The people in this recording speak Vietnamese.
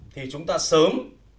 thì chúng ta sớm